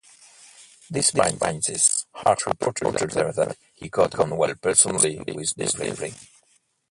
Despite this, Hart reported later that he got on well personally with Devlin.